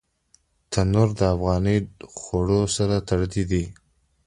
تنور د افغاني خوړو سره تړلی دی